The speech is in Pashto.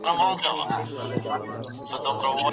هیوادونه د نړیوالو قوانینو څخه سرغړونه بې له پایلو نه کوي.